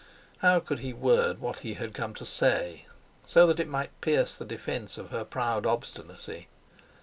How could he word what he had come to say so that it might pierce the defence of her proud obstinacy?